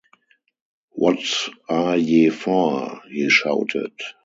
‘What are ye for?’ he shouted.